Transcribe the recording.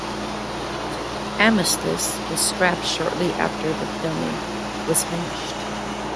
"Amethyst" was scrapped shortly after the filming was finished.